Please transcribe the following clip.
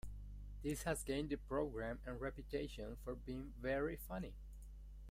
This has gained the programme a reputation for being very funny.